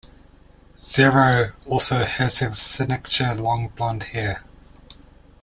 Zero also has his signature long blonde hair.